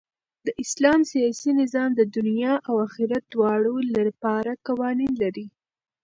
د اسلام سیاسي نظام د دؤنيا او آخرت دواړو له پاره قوانين لري.